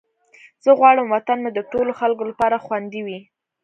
زه غواړم وطن مې د ټولو خلکو لپاره خوندي وي.